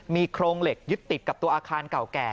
มีโครงเหล็กยึดติดกับตัวอาคารเก่าแก่